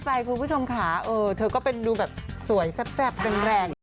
คุณผู้ชมค่ะเธอก็เป็นดูแบบสวยแซ่บแรง